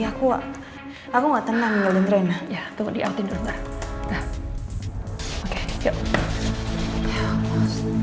aku aku nggak tenangnya lintren ya tunggu diantar antar ya oke yuk ya